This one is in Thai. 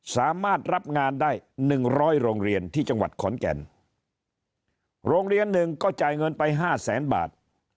สามารถรับงานได้หนึ่งร้อยโรงเรียนที่จังหวัดขอนแก่นโรงเรียนหนึ่งก็จ่ายเงินไปห้าแสนบาท